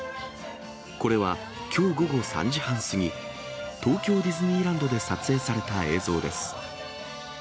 これは、きょう午後３時半過ぎ、東京ディズニーランドで撮影された映像です。